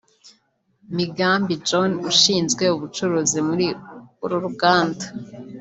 Migambi John ushinzwe ubucuruzi muri uru ruganda